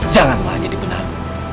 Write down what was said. jangan malah jadi benar